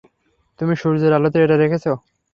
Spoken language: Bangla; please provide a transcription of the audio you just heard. তুমি সূর্যের আলোতে এটা রেখেছ।